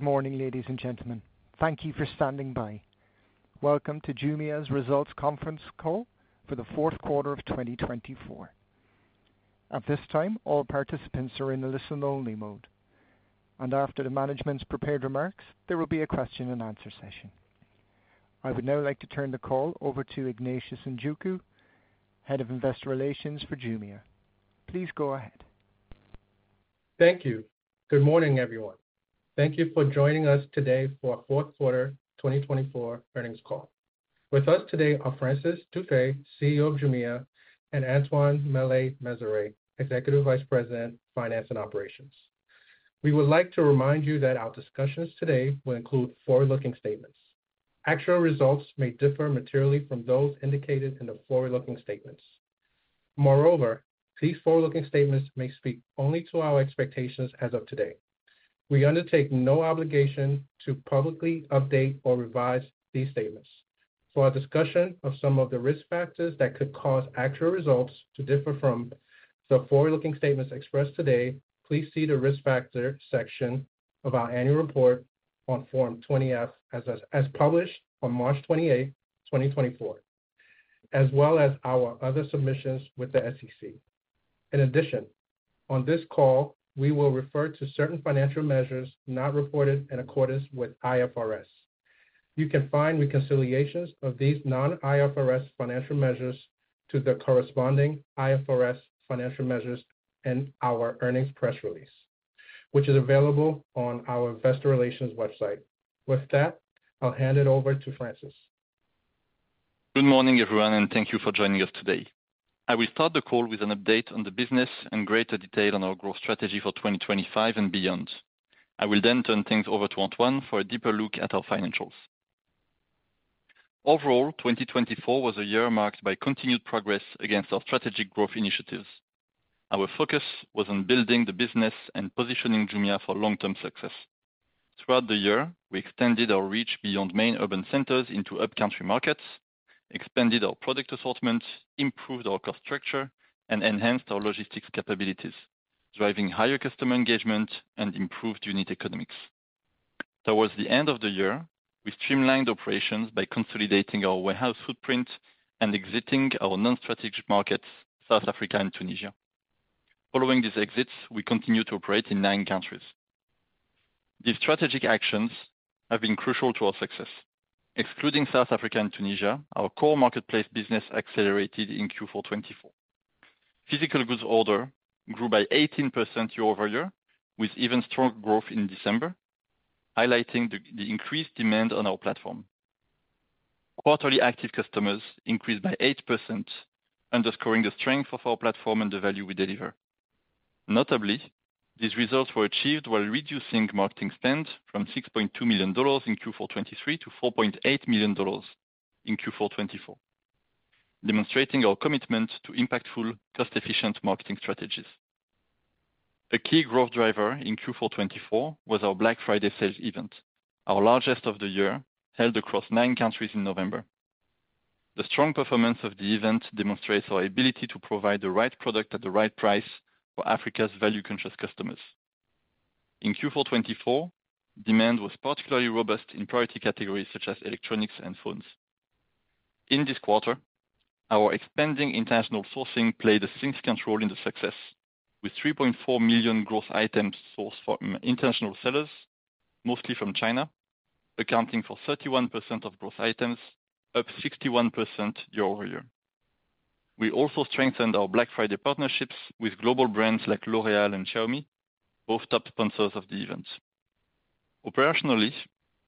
Good morning, ladies and gentlemen. Thank you for standing by. Welcome to Jumia's results conference call for the fourth quarter of 2024. At this time, all participants are in the listen-only mode, and after the management's prepared remarks, there will be a question-and-answer session. I would now like to turn the call over to Ignatius Njoku, Head of Investor Relations for Jumia. Please go ahead. Thank you. Good morning, everyone. Thank you for joining us today for our fourth quarter 2024 earnings call. With us today are Francis Dufay, CEO of Jumia, and Antoine Maillet-Mezeray, Executive Vice President, Finance and Operations. We would like to remind you that our discussions today will include forward-looking statements. Actual results may differ materially from those indicated in the forward-looking statements. Moreover, these forward-looking statements may speak only to our expectations as of today. We undertake no obligation to publicly update or revise these statements. For our discussion of some of the risk factors that could cause actual results to differ from the forward-looking statements expressed today, please see the risk factor section of our annual report on Form 20-F as published on March 28, 2024, as well as our other submissions with the SEC. In addition, on this call, we will refer to certain financial measures not reported in accordance with IFRS. You can find reconciliations of these non-IFRS financial measures to the corresponding IFRS financial measures in our earnings press release, which is available on our Investor Relations website. With that, I'll hand it over to Francis. Good morning, everyone, and thank you for joining us today. I will start the call with an update on the business and greater detail on our growth strategy for 2025 and beyond. I will then turn things over to Antoine for a deeper look at our financials. Overall, 2024 was a year marked by continued progress against our strategic growth initiatives. Our focus was on building the business and positioning Jumia for long-term success. Throughout the year, we extended our reach beyond main urban centers into up-country markets, expanded our product assortment, improved our cost structure, and enhanced our logistics capabilities, driving higher customer engagement and improved unit economics. Towards the end of the year, we streamlined operations by consolidating our warehouse footprint and exiting our non-strategic markets, South Africa and Tunisia. Following these exits, we continued to operate in nine countries. These strategic actions have been crucial to our success. Excluding South Africa and Tunisia, our core marketplace business accelerated in Q4 2024. Physical goods order grew by 18% year-over-year, with even stronger growth in December, highlighting the increased demand on our platform. Quarterly active customers increased by 8%, underscoring the strength of our platform and the value we deliver. Notably, these results were achieved while reducing marketing spend from $6.2 million in Q4 2023 to $4.8 million in Q4 2024, demonstrating our commitment to impactful, cost-efficient marketing strategies. A key growth driver in Q4 2024 was our Black Friday sales event, our largest of the year, held across nine countries in November. The strong performance of the event demonstrates our ability to provide the right product at the right price for Africa's value-conscious customers. In Q4 2024, demand was particularly robust in priority categories such as electronics and phones. In this quarter, our expanding international sourcing played a significant role in the success, with 3.4 million gross items sourced from international sellers, mostly from China, accounting for 31% of gross items, up 61% year-over-year. We also strengthened our Black Friday partnerships with global brands like L'Oréal and Xiaomi, both top sponsors of the event. Operationally,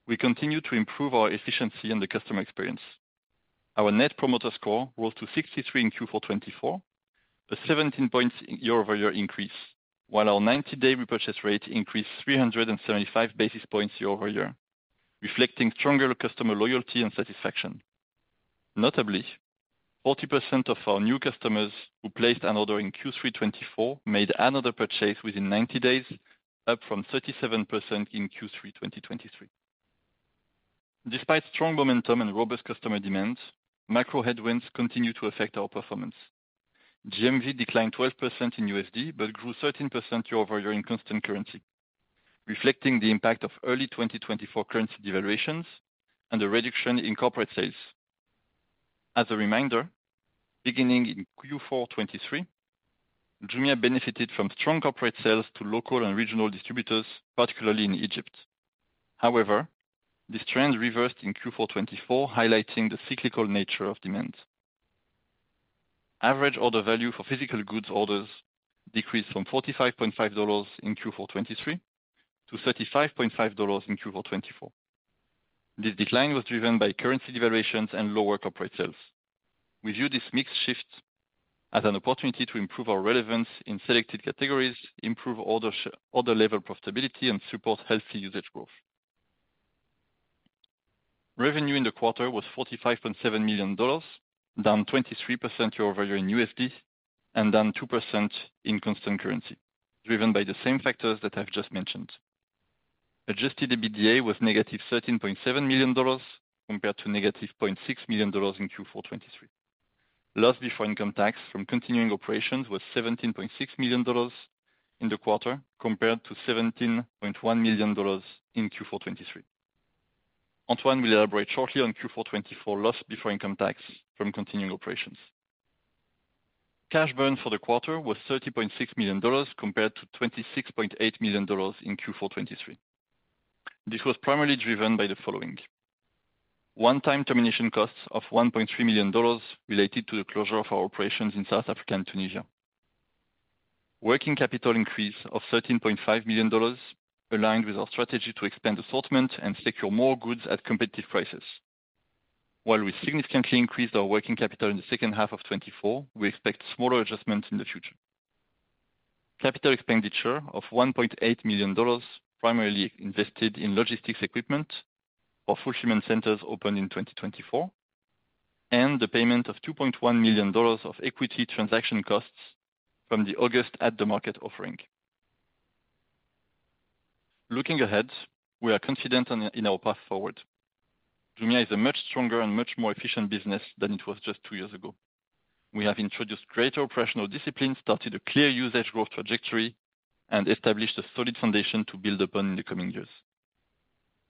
we continue to improve our efficiency and the customer experience. Our Net Promoter Score rose to 63 in Q4 2024, a 17-point year-over-year increase, while our 90-day repurchase rate increased 375 basis points year-over-year, reflecting stronger customer loyalty and satisfaction. Notably, 40% of our new customers who placed an order in Q3 2024 made another purchase within 90 days, up from 37% in Q3 2023. Despite strong momentum and robust customer demand, macro headwinds continue to affect our performance. GMV declined 12% in USD but grew 13% year-over-year in constant currency, reflecting the impact of early 2024 currency devaluations and the reduction in corporate sales. As a reminder, beginning in Q4 2023, Jumia benefited from strong corporate sales to local and regional distributors, particularly in Egypt. However, this trend reversed in Q4 2024, highlighting the cyclical nature of demand. Average order value for physical goods orders decreased from $45.5 in Q4 2023 to $35.5 in Q4 2024. This decline was driven by currency devaluations and lower corporate sales. We view this mixed shift as an opportunity to improve our relevance in selected categories, improve order level profitability, and support healthy usage growth. Revenue in the quarter was $45.7 million, down 23% year-over-year in USD and down 2% in constant currency, driven by the same factors that I've just mentioned. Adjusted EBITDA was negative $13.7 million compared to negative $0.6 million in Q4 2023. Loss before income tax from continuing operations was $17.6 million in the quarter, compared to $17.1 million in Q4 2023. Antoine will elaborate shortly on Q4 2024 loss before income tax from continuing operations. Cash burn for the quarter was $30.6 million compared to $26.8 million in Q4 2023. This was primarily driven by the following: one-time termination costs of $1.3 million related to the closure of our operations in South Africa and Tunisia. Working capital increase of $13.5 million aligned with our strategy to expand assortment and secure more goods at competitive prices. While we significantly increased our working capital in the second half of 2024, we expect smaller adjustments in the future. Capital expenditure of $1.8 million primarily invested in logistics equipment for fulfillment centers opened in 2024, and the payment of $2.1 million of equity transaction costs from the August at-the-market offering. Looking ahead, we are confident in our path forward. Jumia is a much stronger and much more efficient business than it was just two years ago. We have introduced greater operational discipline, started a clear usage growth trajectory, and established a solid foundation to build upon in the coming years.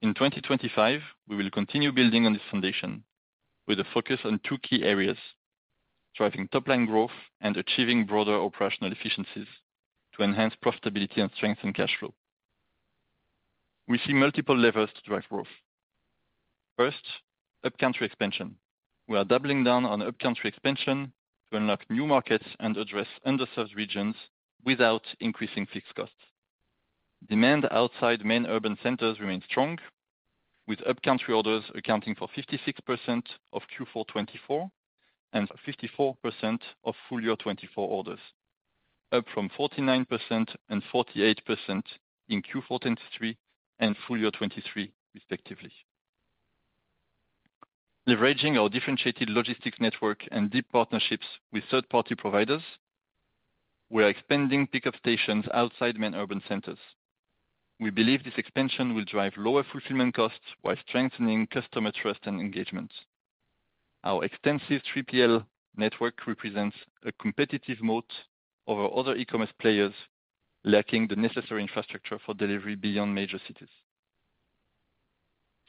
In 2025, we will continue building on this foundation with a focus on two key areas: driving top-line growth and achieving broader operational efficiencies to enhance profitability and strengthen cash flow. We see multiple levers to drive growth. First, up-country expansion. We are doubling down on up-country expansion to unlock new markets and address underserved regions without increasing fixed costs. Demand outside main urban centers remains strong, with up-country orders accounting for 56% of Q4 2024 and 54% of full-year 2024 orders, up from 49% and 48% in Q4 2023 and full-year 2023, respectively. Leveraging our differentiated logistics network and deep partnerships with third-party providers, we are expanding pickup stations outside main urban centers. We believe this expansion will drive lower fulfillment costs while strengthening customer trust and engagement. Our extensive 3PL network represents a competitive moat over other e-commerce players lacking the necessary infrastructure for delivery beyond major cities.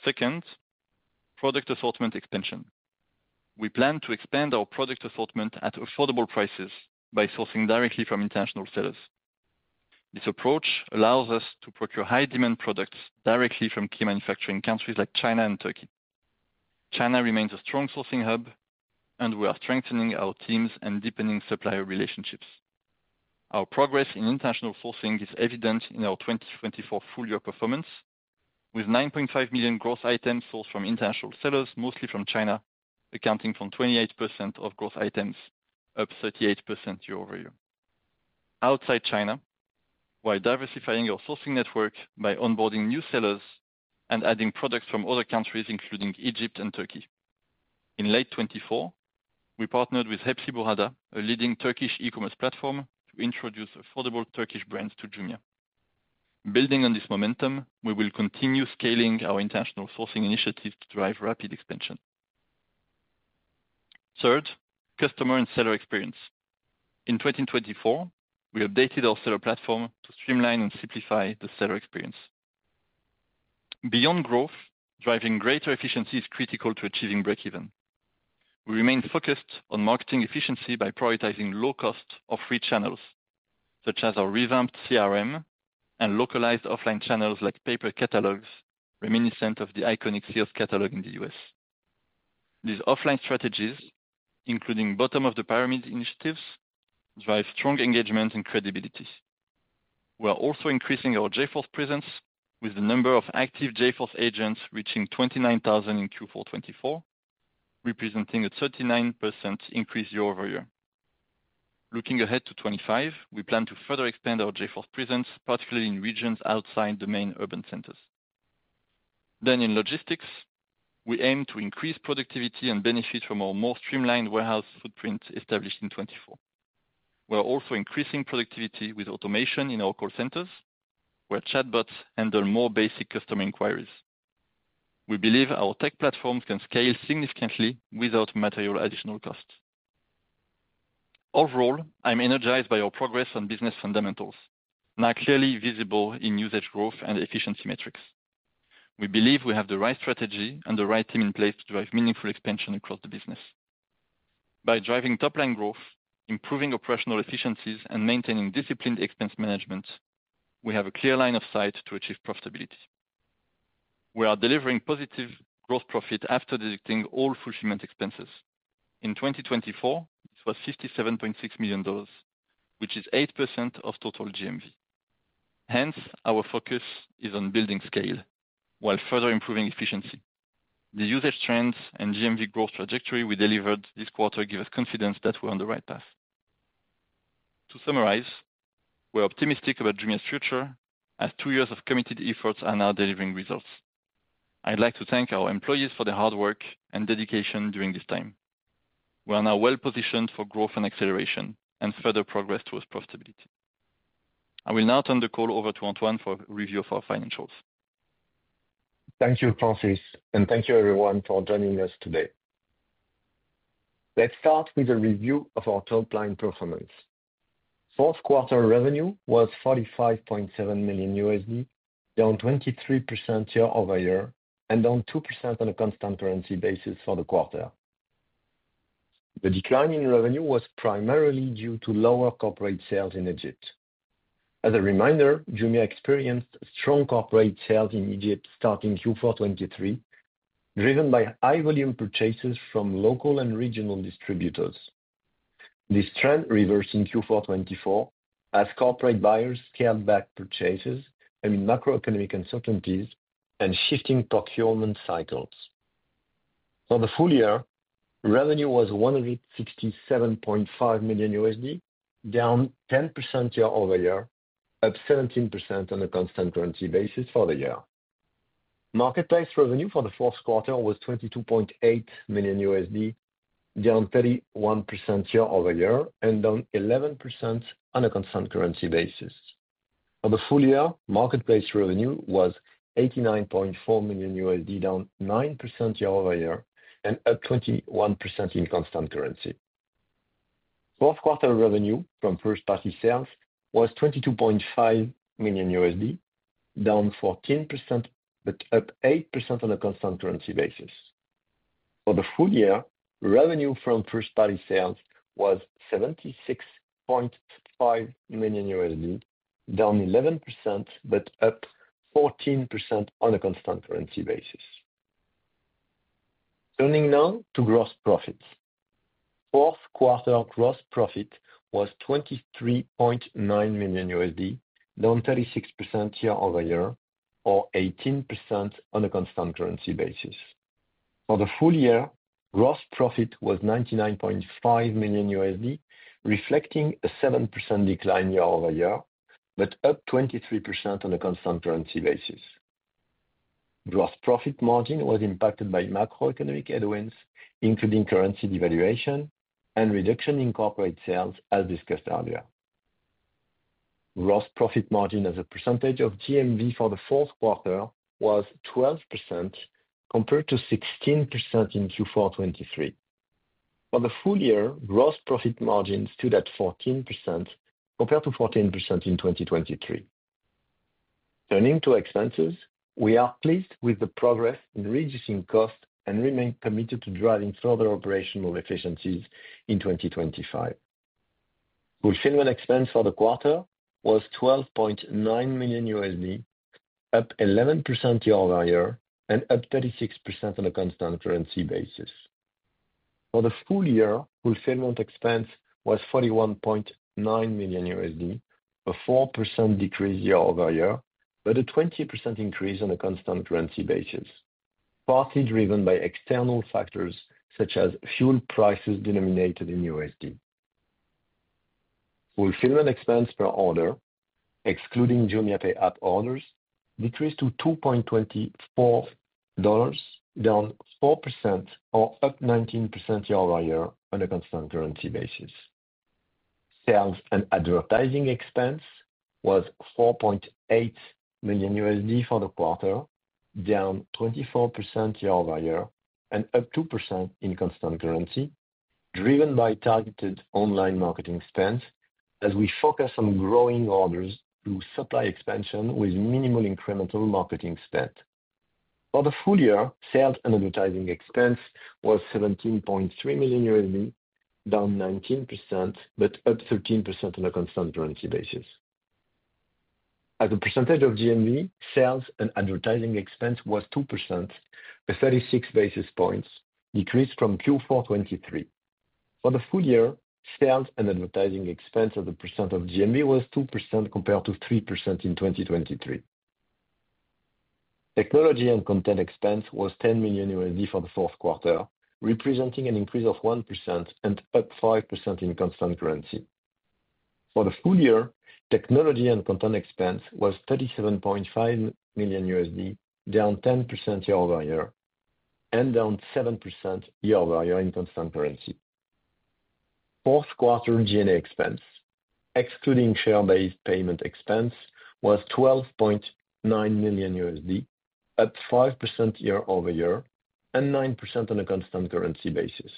Second, product assortment expansion. We plan to expand our product assortment at affordable prices by sourcing directly from international sellers. This approach allows us to procure high-demand products directly from key manufacturing countries like China and Turkey. China remains a strong sourcing hub, and we are strengthening our teams and deepening supplier relationships. Our progress in international sourcing is evident in our 2024 full-year performance, with 9.5 million gross items sourced from international sellers, mostly from China, accounting for 28% of gross items, up 38% year-over-year. Outside China, while diversifying our sourcing network by onboarding new sellers and adding products from other countries, including Egypt and Turkey. In late 2024, we partnered with Hepsiburada, a leading Turkish e-commerce platform, to introduce affordable Turkish brands to Jumia. Building on this momentum, we will continue scaling our international sourcing initiative to drive rapid expansion. Third, customer and seller experience. In 2024, we updated our seller platform to streamline and simplify the seller experience. Beyond growth, driving greater efficiency is critical to achieving break-even. We remain focused on marketing efficiency by prioritizing low-cost, outreach channels, such as our revamped CRM and localized offline channels like paper catalogs reminiscent of the iconic Sears catalog in the U.S. These offline strategies, including bottom-of-the-pyramid initiatives, drive strong engagement and credibility. We are also increasing our JForce presence, with the number of active JForce agents reaching 29,000 in Q4 2024, representing a 39% increase year-over-year. Looking ahead to 2025, we plan to further expand our JForce presence, particularly in regions outside the main urban centers. Then, in logistics, we aim to increase productivity and benefit from our more streamlined warehouse footprint established in 2024. We are also increasing productivity with automation in our call centers, where chatbots handle more basic customer inquiries. We believe our tech platforms can scale significantly without material additional costs. Overall, I'm energized by our progress on business fundamentals, now clearly visible in usage growth and efficiency metrics. We believe we have the right strategy and the right team in place to drive meaningful expansion across the business. By driving top-line growth, improving operational efficiencies, and maintaining disciplined expense management, we have a clear line of sight to achieve profitability. We are delivering positive gross profit after deducting all fulfillment expenses. In 2024, it was $57.6 million, which is 8% of total GMV. Hence, our focus is on building scale while further improving efficiency. The usage trends and GMV growth trajectory we delivered this quarter give us confidence that we're on the right path. To summarize, we're optimistic about Jumia's future, as two years of committed efforts are now delivering results. I'd like to thank our employees for their hard work and dedication during this time. We are now well-positioned for growth and acceleration and further progress towards profitability. I will now turn the call over to Antoine for a review of our financials. Thank you, Francis, and thank you, everyone, for joining us today. Let's start with a review of our top-line performance. Fourth quarter revenue was $45.7 million, down 23% year-over-year and down 2% on a constant currency basis for the quarter. The decline in revenue was primarily due to lower corporate sales in Egypt. As a reminder, Jumia experienced strong corporate sales in Egypt starting Q4 2023, driven by high-volume purchases from local and regional distributors. This trend reversed in Q4 2024 as corporate buyers scaled back purchases amid macroeconomic uncertainties and shifting procurement cycles. For the full year, revenue was $167.5 million, down 10% year-over-year, up 17% on a constant currency basis for the year. Marketplace revenue for the fourth quarter was $22.8 million, down 31% year-over-year and down 11% on a constant currency basis. For the full year, marketplace revenue was $89.4 million, down 9% year-over-year and up 21% in constant currency. Fourth quarter revenue from first-party sales was $22.5 million, down 14% but up 8% on a constant currency basis. For the full year, revenue from first-party sales was $76.5 million, down 11% but up 14% on a constant currency basis. Turning now to gross profits. Fourth-quarter gross profit was $23.9 million, down 36% year-over-year or 18% on a constant currency basis. For the full year, gross profit was $99.5 million, reflecting a 7% decline year-over-year but up 23% on a constant currency basis. Gross profit margin was impacted by macroeconomic headwinds, including currency devaluation and reduction in corporate sales, as discussed earlier. Gross profit margin as a percentage of GMV for the fourth quarter was 12% compared to 16% in Q4 2023. For the full year, gross profit margin stood at 14% compared to 14% in 2023. Turning to expenses, we are pleased with the progress in reducing costs and remain committed to driving further operational efficiencies in 2025. Fulfillment expense for the quarter was $12.9 million, up 11% year-over-year and up 36% on a constant currency basis. For the full year, fulfillment expense was $41.9 million, a 4% decrease year-over-year but a 20% increase on a constant currency basis, partly driven by external factors such as fuel prices denominated in USD. Fulfillment expense per order, excluding JumiaPay app orders, decreased to $2.24, down 4% or up 19% year-over-year on a constant currency basis. Sales and advertising expense was $4.8 million for the quarter, down 24% year-over-year and up 2% in constant currency, driven by targeted online marketing spend as we focus on growing orders through supply expansion with minimal incremental marketing spend. For the full year, sales and advertising expense was $17.3 million, down 19% but up 13% on a constant currency basis. As a percentage of GMV, sales and advertising expense was 2%, a 36 basis points decrease from Q4 2023. For the full year, sales and advertising expense as a % of GMV was 2% compared to 3% in 2023. Technology and content expense was $10 million for the fourth quarter, representing an increase of 1% and up 5% in constant currency. For the full year, technology and content expense was $37.5 million, down 10% year-over-year and down 7% year-over-year in constant currency. Fourth-quarter G&A expense, excluding share-based payment expense, was $12.9 million, up 5% year-over-year and 9% on a constant currency basis.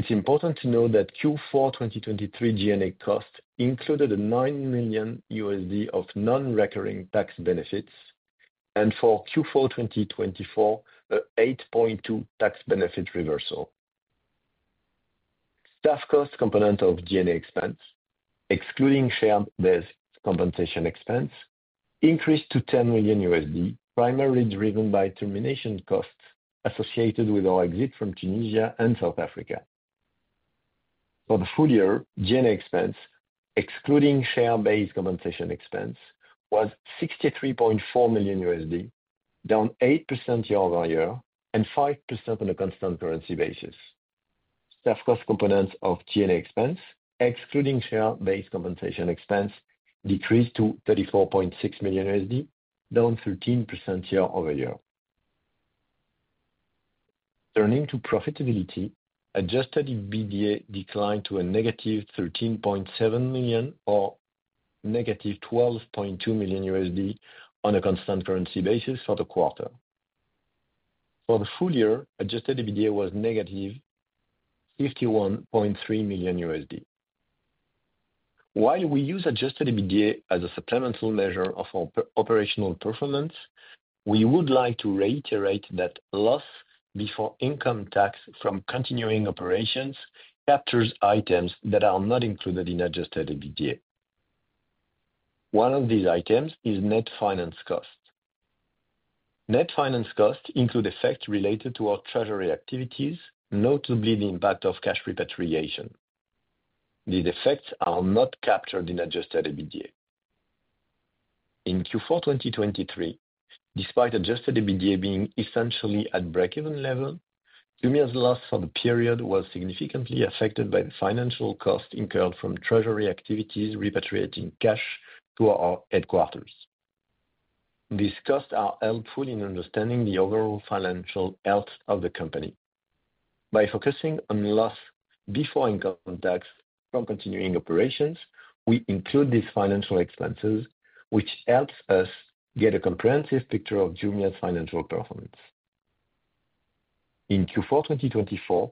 It's important to note that Q4 2023 G&A cost included a $9 million of non-recurring tax benefits and for Q4 2024, an $8.2 million tax benefit reversal. Staff cost component of G&A expense, excluding share-based compensation expense, increased to $10 million, primarily driven by termination costs associated with our exit from Tunisia and South Africa. For the full year, G&A expense, excluding share-based compensation expense, was $63.4 million, down 8% year-over-year and 5% on a constant currency basis. Staff cost component of G&A expense, excluding share-based compensation expense, decreased to $34.6 million, down 13% year-over-year. Turning to profitability, Adjusted EBITDA declined to a negative $13.7 million or negative $12.2 million on a constant currency basis for the quarter. For the full year, Adjusted EBITDA was negative $51.3 million. While we use Adjusted EBITDA as a supplemental measure of our operational performance, we would like to reiterate that loss before income tax from continuing operations captures items that are not included in Adjusted EBITDA. One of these items is net finance cost. Net finance costs include effects related to our treasury activities, notably the impact of cash repatriation. These effects are not captured in Adjusted EBITDA. In Q4 2023, despite Adjusted EBITDA being essentially at break-even level, Jumia's loss for the period was significantly affected by the financial costs incurred from treasury activities repatriating cash to our headquarters. These costs are helpful in understanding the overall financial health of the company. By focusing on loss before income tax from continuing operations, we include these financial expenses, which helps us get a comprehensive picture of Jumia's financial performance. In Q4 2024,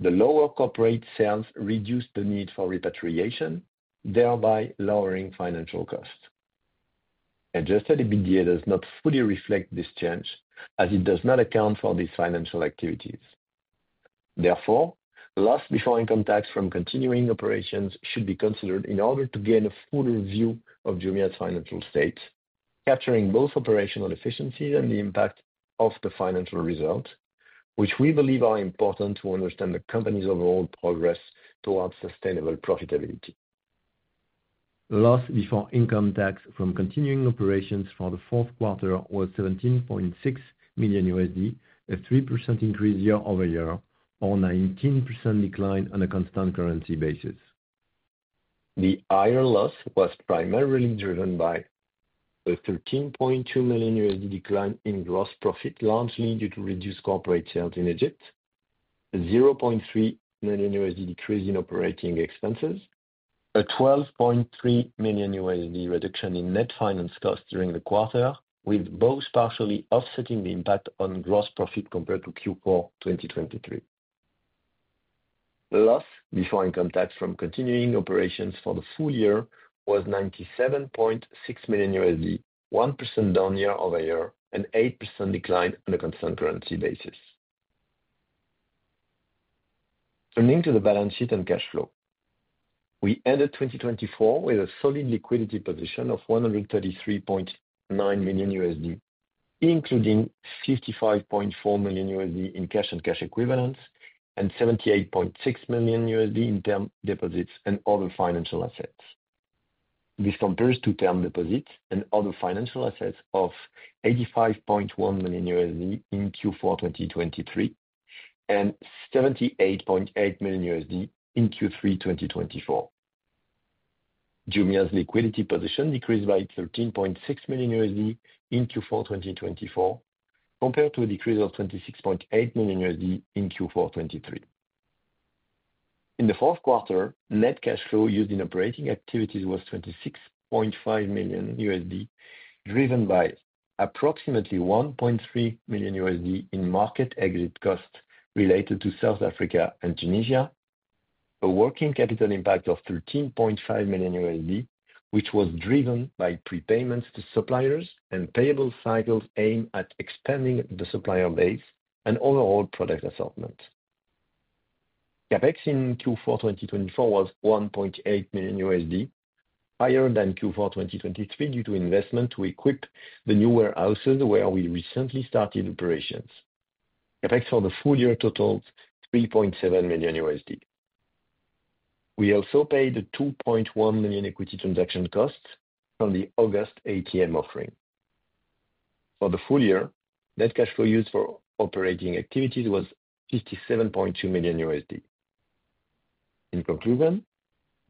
the lower corporate sales reduced the need for repatriation, thereby lowering financial costs. Adjusted EBITDA does not fully reflect this change, as it does not account for these financial activities. Therefore, loss before income tax from continuing operations should be considered in order to gain a fuller view of Jumia's financial state, capturing both operational efficiencies and the impact of the financial results, which we believe are important to understand the company's overall progress towards sustainable profitability. Loss before income tax from continuing operations for the fourth quarter was $17.6 million, a 3% increase year-over-year or a 19% decline on a constant currency basis. The higher loss was primarily driven by a $13.2 million decline in gross profit, largely due to reduced corporate sales in Egypt, a $0.3 million decrease in operating expenses, and a $12.3 million reduction in net finance costs during the quarter, with both partially offsetting the impact on gross profit compared to Q4 2023. Loss before income tax from continuing operations for the full year was $97.6 million, 1% down year-over-year and 8% decline on a constant currency basis. Turning to the balance sheet and cash flow, we ended 2024 with a solid liquidity position of $133.9 million, including $55.4 million in cash and cash equivalents and $78.6 million in term deposits and other financial assets. This compares to term deposits and other financial assets of $85.1 million in Q4 2023 and $78.8 million in Q3 2024. Jumia's liquidity position decreased by $13.6 million in Q4 2024 compared to a decrease of $26.8 million in Q4 2023. In the fourth quarter, net cash flow used in operating activities was $26.5 million, driven by approximately $1.3 million in market exit costs related to South Africa and Tunisia, a working capital impact of $13.5 million, which was driven by prepayments to suppliers and payable cycles aimed at expanding the supplier base and overall product assortment. CapEx in Q4 2024 was $1.8 million, higher than Q4 2023 due to investment to equip the new warehouses where we recently started operations. CapEx for the full year totaled $3.7 million. We also paid the $2.1 million equity transaction costs from the August ATM offering. For the full year, net cash flow used for operating activities was $57.2 million. In conclusion,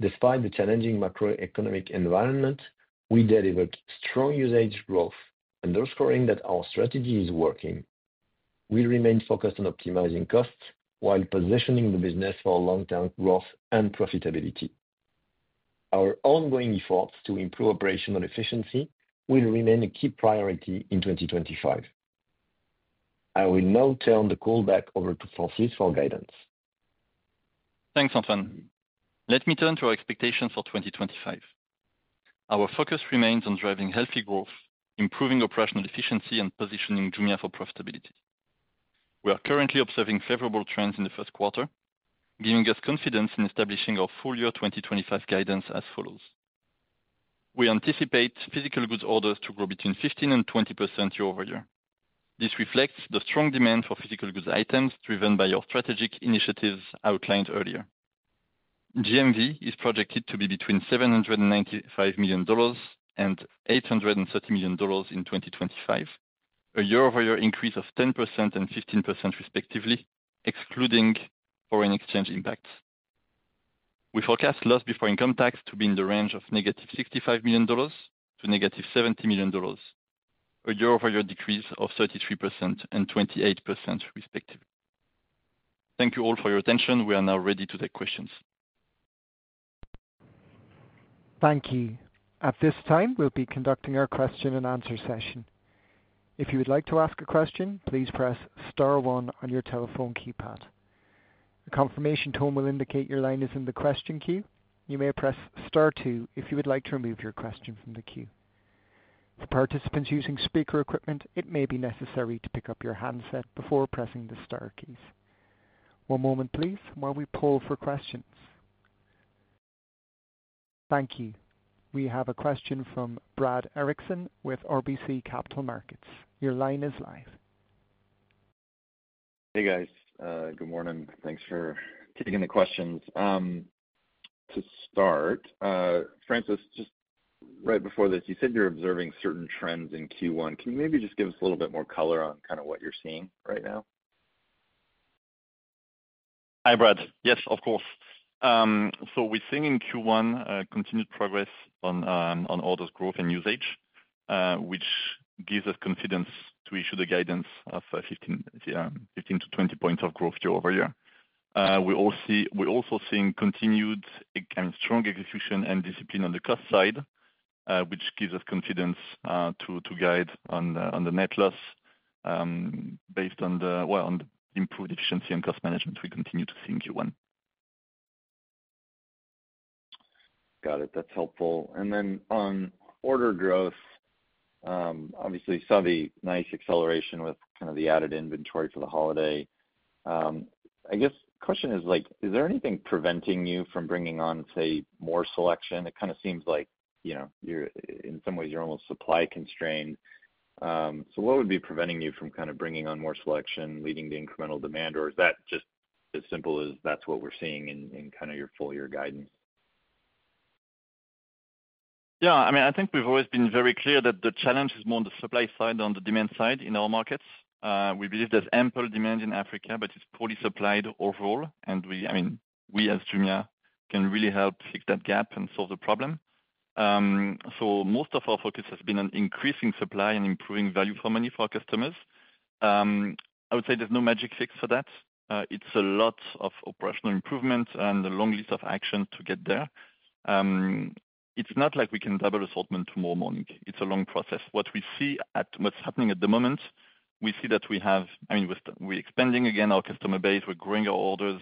despite the challenging macroeconomic environment, we delivered strong usage growth, underscoring that our strategy is working. We remain focused on optimizing costs while positioning the business for long-term growth and profitability. Our ongoing efforts to improve operational efficiency will remain a key priority in 2025. I will now turn the call back over to Francis for guidance. Thanks, Antoine. Let me turn to our expectations for 2025. Our focus remains on driving healthy growth, improving operational efficiency, and positioning Jumia for profitability. We are currently observing favorable trends in the first quarter, giving us confidence in establishing our full year 2025 guidance as follows. We anticipate physical goods orders to grow between 15% and 20% year-over-year. This reflects the strong demand for physical goods items driven by our strategic initiatives outlined earlier. GMV is projected to be between $795 million and $830 million in 2025, a year-over-year increase of 10% and 15% respectively, excluding foreign exchange impacts. We forecast loss before income tax to be in the range of negative $65 million to negative $70 million, a year-over-year decrease of 33% and 28% respectively. Thank you all for your attention. We are now ready to take questions. Thank you. At this time, we'll be conducting our question-and-answer session. If you would like to ask a question, please press star one on your telephone keypad. The confirmation tone will indicate your line is in the question queue. You may press star two if you would like to remove your question from the queue. For participants using speaker equipment, it may be necessary to pick up your handset before pressing the star keys. One moment, please, while we poll for questions. Thank you. We have a question from Brad Erickson with RBC Capital Markets. Your line is live. Hey, guys. Good morning. Thanks for taking the questions. To start, Francis, just right before this, you said you're observing certain trends in Q1. Can you maybe just give us a little bit more color on kind of what you're seeing right now? Hi, Brad. Yes, of course. So we're seeing in Q1 continued progress on orders growth and usage, which gives us confidence to issue the guidance of 15-20 points of growth year-over-year. We're also seeing continued strong execution and discipline on the cost side, which gives us confidence to guide on the net loss based on the improved efficiency and cost management we continue to see in Q1. Got it. That's helpful. And then on order growth, obviously, you saw the nice acceleration with kind of the added inventory for the holiday. I guess the question is, is there anything preventing you from bringing on, say, more selection? It kind of seems like, in some ways, you're almost supply constrained. So what would be preventing you from kind of bringing on more selection leading to incremental demand? Or is that just as simple as that's what we're seeing in kind of your full-year guidance? Yeah. I mean, I think we've always been very clear that the challenge is more on the supply side than on the demand side in our markets. We believe there's ample demand in Africa, but it's poorly supplied overall. And I mean, we as Jumia can really help fix that gap and solve the problem. So most of our focus has been on increasing supply and improving value for money for our customers. I would say there's no magic fix for that. It's a lot of operational improvement and a long list of actions to get there. It's not like we can double assortment tomorrow morning. It's a long process. What we see is what's happening at the moment, we see that we have, I mean, we're expanding again our customer base. We're growing our orders.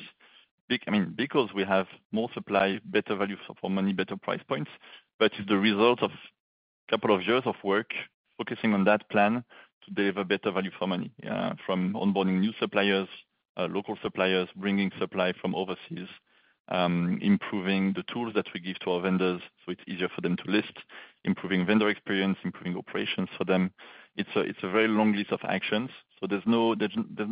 I mean, because we have more supply, better value for money, better price points. But it's the result of a couple of years of work focusing on that plan to deliver better value for money from onboarding new suppliers, local suppliers, bringing supply from overseas, improving the tools that we give to our vendors so it's easier for them to list, improving vendor experience, improving operations for them. It's a very long list of actions. So there's no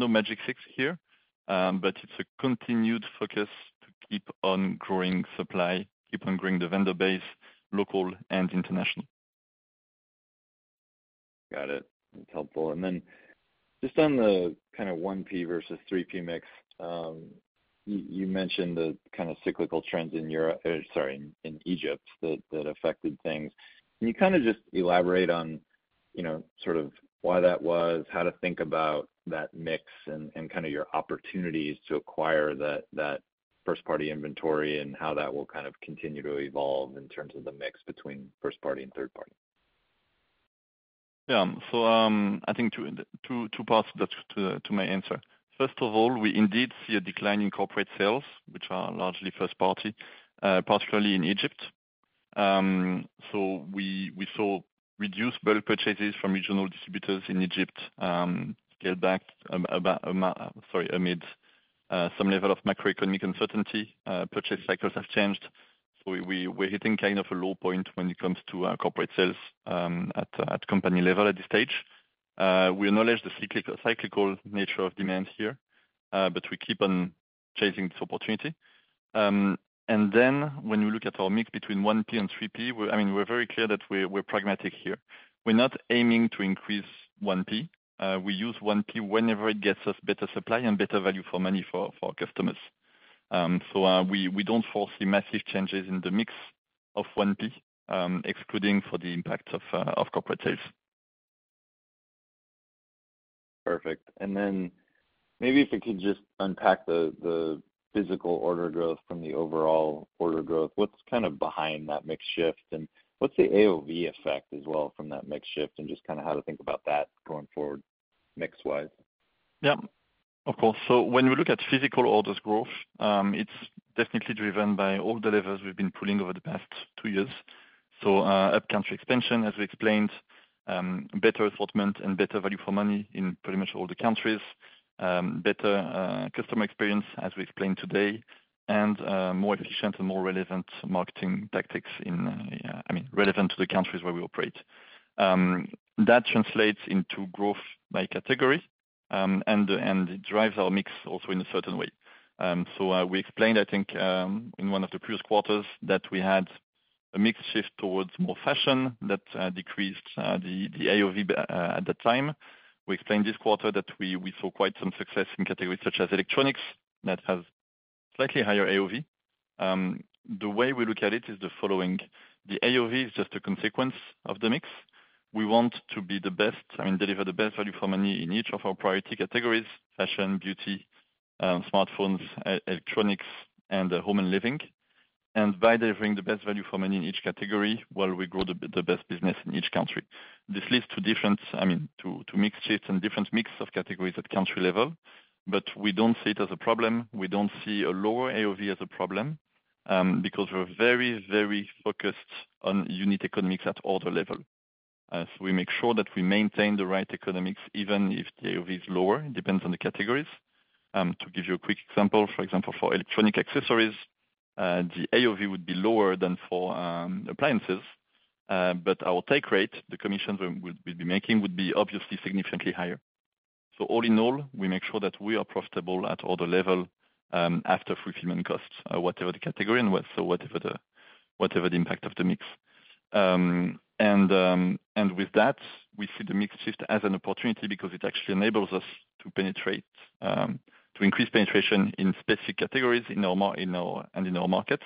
magic fix here, but it's a continued focus to keep on growing supply, keep on growing the vendor base, local and international. Got it. That's helpful. And then just on the kind of 1P versus 3P mix, you mentioned the kind of cyclical trends in Europe, sorry, in Egypt that affected things. Can you kind of just elaborate on sort of why that was, how to think about that mix, and kind of your opportunities to acquire that first-party inventory, and how that will kind of continue to evolve in terms of the mix between first-party and third-party? Yeah. So I think two parts to my answer. First of all, we indeed see a decline in corporate sales, which are largely first-party, particularly in Egypt. So we saw reduced bulk purchases from regional distributors in Egypt scaled back, sorry, amid some level of macroeconomic uncertainty. Purchase cycles have changed. So we're hitting kind of a low point when it comes to corporate sales at company level at this stage. We acknowledge the cyclical nature of demand here, but we keep on chasing this opportunity. And then when you look at our mix between 1P and 3P, I mean, we're very clear that we're pragmatic here. We're not aiming to increase 1P. We use 1P whenever it gets us better supply and better value for money for our customers. So we don't foresee massive changes in the mix of 1P, excluding for the impact of corporate sales. Perfect. And then maybe if we could just unpack the physical order growth from the overall order growth, what's kind of behind that mix shift? And what's the AOV effect as well from that mix shift and just kind of how to think about that going forward mix-wise? Yeah. Of course. So when we look at physical orders growth, it's definitely driven by all the levers we've been pulling over the past two years. So up-country expansion, as we explained, better assortment and better value for money in pretty much all the countries, better customer experience, as we explained today, and more efficient and more relevant marketing tactics, I mean, relevant to the countries where we operate. That translates into growth by category, and it drives our mix also in a certain way. So we explained, I think, in one of the previous quarters that we had a mix shift towards more fashion that decreased the AOV at that time. We explained this quarter that we saw quite some success in categories such as electronics that have slightly higher AOV. The way we look at it is the following. The AOV is just a consequence of the mix. We want to be the best, I mean, deliver the best value for money in each of our priority categories: fashion, beauty, smartphones, electronics, and home and living. And by delivering the best value for money in each category, well, we grow the best business in each country. This leads to different, I mean, to mix shifts and different mix of categories at country level. But we don't see it as a problem. We don't see a lower AOV as a problem because we're very, very focused on unit economics at order level. So we make sure that we maintain the right economics even if the AOV is lower. It depends on the categories. To give you a quick example, for example, for electronic accessories, the AOV would be lower than for appliances. But our take rate, the commissions we'd be making, would be obviously significantly higher. So all in all, we make sure that we are profitable at order level after fulfillment costs, whatever the category and whatever the impact of the mix. And with that, we see the mix shift as an opportunity because it actually enables us to increase penetration in specific categories and in our markets.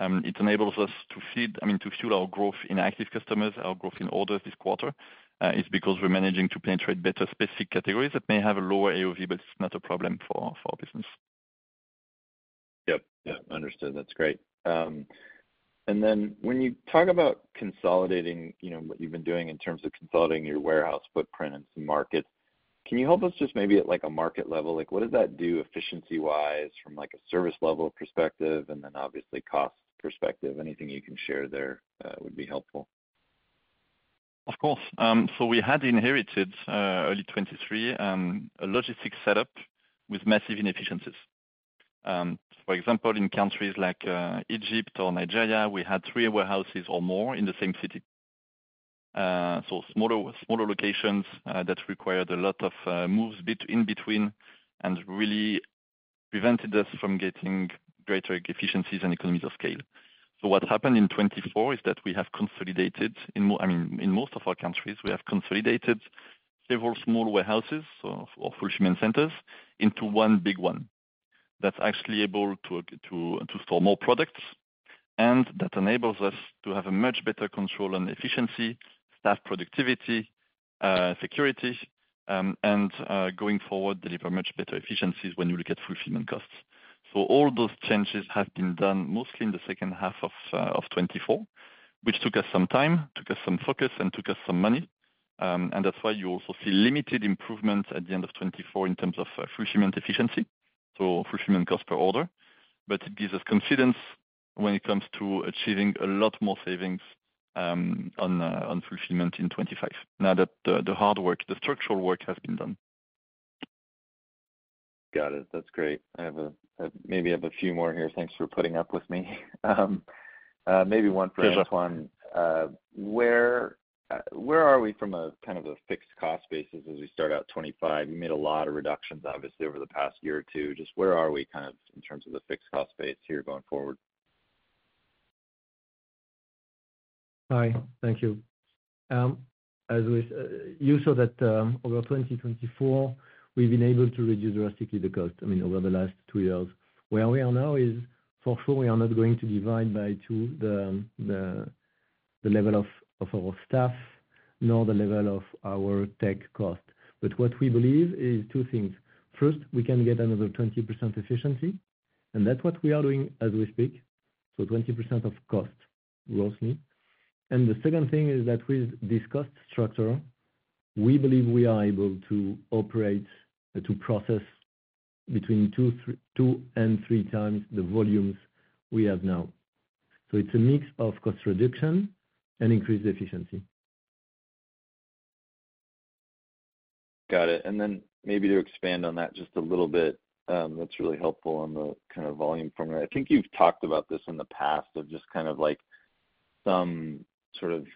It enables us to feed, I mean, to fuel our growth in active customers, our growth in orders this quarter. It's because we're managing to penetrate better specific categories that may have a lower AOV, but it's not a problem for our business. Yep. Yep. Understood. That's great. And then when you talk about consolidating what you've been doing in terms of consolidating your warehouse footprint and some markets, can you help us just maybe at a market level? What does that do efficiency-wise from a service-level perspective and then, obviously, cost perspective? Anything you can share there would be helpful. Of course. So we had inherited early 2023 a logistics setup with massive inefficiencies. For example, in countries like Egypt or Nigeria, we had three warehouses or more in the same city. So smaller locations that required a lot of moves in between and really prevented us from getting greater efficiencies and economies of scale. So what happened in 2024 is that we have consolidated, I mean, in most of our countries, we have consolidated several small warehouses or fulfillment centers into one big one that's actually able to store more products. And that enables us to have a much better control on efficiency, staff productivity, security, and going forward, deliver much better efficiencies when you look at fulfillment costs. So all those changes have been done mostly in the second half of 2024, which took us some time, took us some focus, and took us some money. And that's why you also see limited improvements at the end of 2024 in terms of fulfillment efficiency, so fulfillment cost per order. But it gives us confidence when it comes to achieving a lot more savings on fulfillment in 2025 now that the hard work, the structural work, has been done. Got it. That's great. I maybe have a few more here. Thanks for putting up with me. Maybe one for Antoine. Where are we from a kind of a fixed cost basis as we start out 2025? You made a lot of reductions, obviously, over the past year or two. Just where are we kind of in terms of the fixed cost base here going forward? Hi. Thank you. As you saw that over 2024, we've been able to reduce drastically the cost, I mean, over the last two years. Where we are now is, for sure, we are not going to divide by two the level of our staff, nor the level of our tech cost. But what we believe is two things. First, we can get another 20% efficiency, and that's what we are doing as we speak. So 20% of cost, grossly. And the second thing is that with this cost structure, we believe we are able to operate, to process between two and three times the volumes we have now. So it's a mix of cost reduction and increased efficiency. Got it. And then maybe to expand on that just a little bit. That's really helpful on the kind of volume formula. I think you've talked about this in the past of just kind of some sort of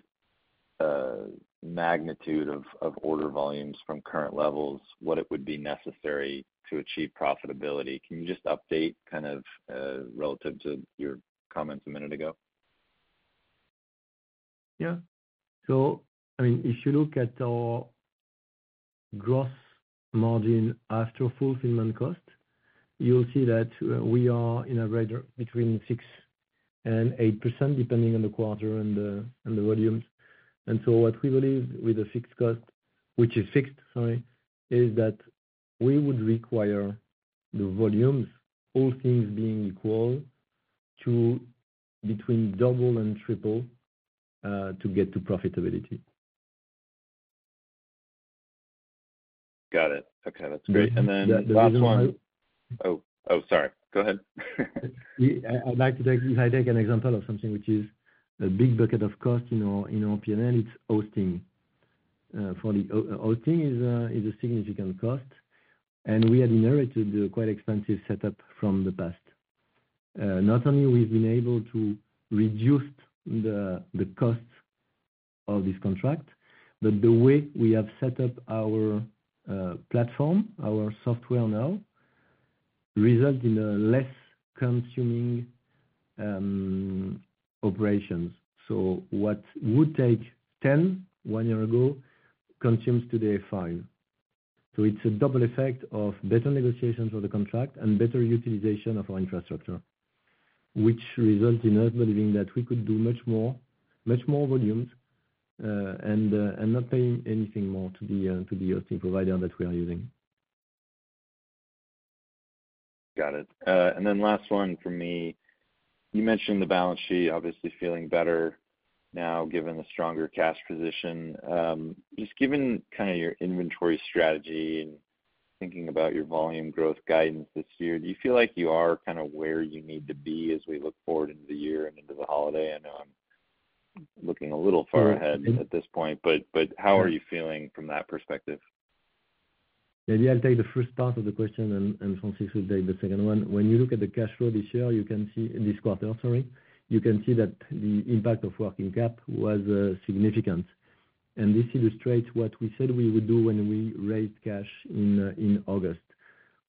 magnitude of order volumes from current levels, what it would be necessary to achieve profitability. Can you just update kind of relative to your comments a minute ago? Yeah. So I mean, if you look at our gross margin after fulfillment cost, you'll see that we are in a range between 6% and 8%, depending on the quarter and the volumes. And so what we believe with the fixed cost, which is fixed, sorry, is that we would require the volumes, all things being equal, to between double and triple to get to profitability. Got it. Okay. That's great. And then last one. Oh, sorry. Go ahead. I'd like to take if I take an example of something which is a big bucket of cost in our P&L. It's hosting. Hosting is a significant cost. And we had inherited a quite expensive setup from the past. Not only we've been able to reduce the cost of this contract, but the way we have set up our platform, our software now, results in less consuming operations. So what would take 10 one year ago consumes today five. So it's a double effect of better negotiations for the contract and better utilization of our infrastructure, which results in us believing that we could do much more volumes and not paying anything more to the hosting provider that we are using. Got it. And then last one for me. You mentioned the balance sheet, obviously feeling better now given the stronger cash position. Just given kind of your inventory strategy and thinking about your volume growth guidance this year, do you feel like you are kind of where you need to be as we look forward into the year and into the holiday? I know I'm looking a little far ahead at this point, but how are you feeling from that perspective? Maybe I'll take the first part of the question, and Francis will take the second one. When you look at the cash flow this year, you can see this quarter, sorry, you can see that the impact of working cap was significant. And this illustrates what we said we would do when we raised cash in August.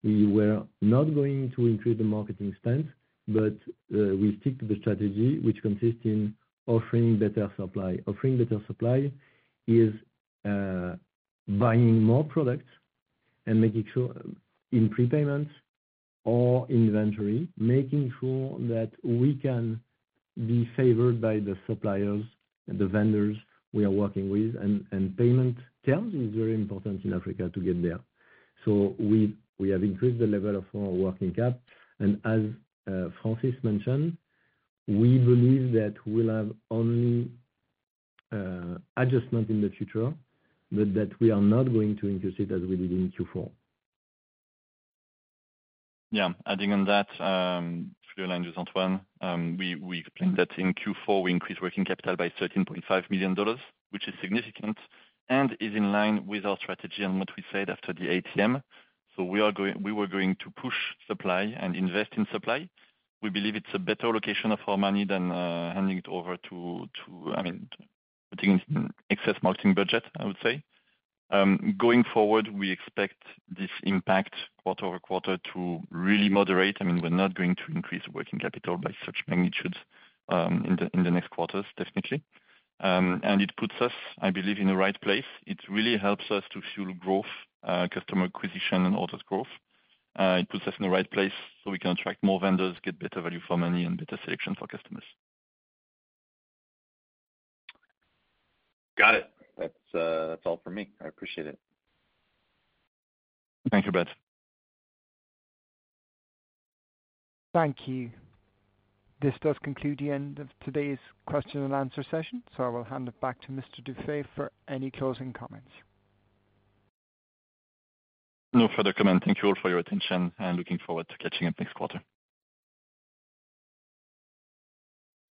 We were not going to increase the marketing spend, but we stick to the strategy, which consists in offering better supply. Offering better supply is buying more products and making sure in prepayments or inventory, making sure that we can be favored by the suppliers and the vendors we are working with. And payment terms is very important in Africa to get there. So we have increased the level of our working cap. And as Francis mentioned, we believe that we'll have only adjustment in the future, but that we are not going to increase it as we did in Q4. Yeah. Adding on that, to your line with Antoine, we explained that in Q4, we increased working capital by $13.5 million, which is significant and is in line with our strategy and what we said after the ATM. So we were going to push supply and invest in supply. We believe it's a better location of our money than handing it over to, I mean, putting it in excess marketing budget, I would say. Going forward, we expect this impact quarter over quarter to really moderate. I mean, we're not going to increase working capital by such magnitudes in the next quarters, definitely. And it puts us, I believe, in the right place. It really helps us to fuel growth, customer acquisition, and orders growth. It puts us in the right place so we can attract more vendors, get better value for money, and better selection for customers. Got it. That's all for me. I appreciate it. Thank you, Brad. Thank you. This does conclude the end of today's question and answer session. So I will hand it back to Mr. Dufay for any closing comments. No further comment. Thank you all for your attention, and looking forward to catching up next quarter.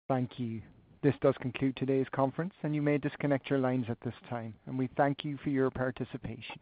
Thank you. This does conclude today's conference, and you may disconnect your lines at this time. And we thank you for your participation.